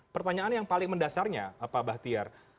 pertanyaan yang paling mendasarnya pak bahtiar